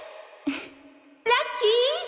ラッキー！